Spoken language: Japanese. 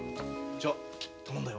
じゃ頼んだよ。